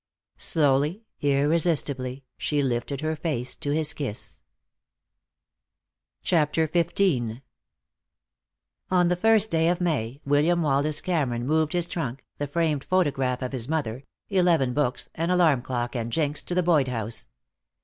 Slowly, irresistibly, she lifted her face to his kiss. CHAPTER XV On the first day of May, William Wallace Cameron moved his trunk, the framed photograph of his mother, eleven books, an alarm clock and Jinx to the Boyd house.